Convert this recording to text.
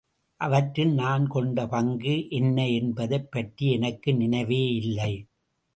அவற்றில் நான் கொண்ட பங்கு என்ன என்பதைப் பற்றி எனக்கு நினைவே இல்லை.